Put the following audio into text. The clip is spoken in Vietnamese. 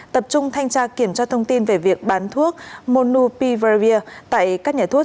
tập trung thanh tra kiểm tra thông tin về việc bán thuốc monopulvera tại các nhà thuốc